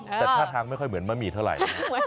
แต่ท่าทางไม่ค่อยเหมือนมะหมี่เท่าไหร่